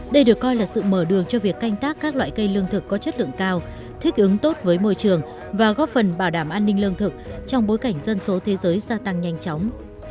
đây được coi là sự mở đường cho việc canh tác các loại cây lương thực có chất lượng cao thích ứng tốt với môi trường và góp phần bảo đảm an ninh lương thực trong bối cảnh dân số thế giới gia tăng nhanh chóng